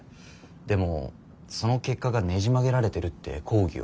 でも「その結果がねじ曲げられてる」って抗議を。